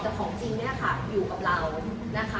แต่ของจริงเนี่ยค่ะอยู่กับเรานะคะ